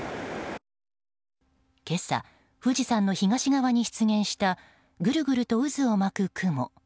今朝、富士山の東側に出現したぐるぐると渦を巻く雲。